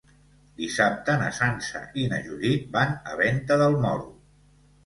Dissabte na Sança i na Judit van a Venta del Moro.